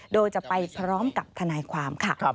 โดยจะไปพร้อมกับทนายความค่ะ